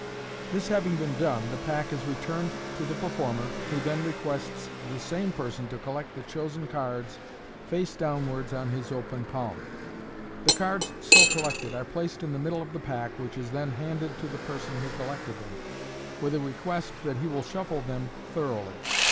This having been r'one, the pack is returned to the performer, who then requests the same person to collect the chosen cards face downwards on his open palm. The cards so collected are placed in the middle of the pack, which is then handed to the person who collected them, with a request that he will shuffle them thoroughly.